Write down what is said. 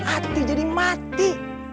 ati jadi mati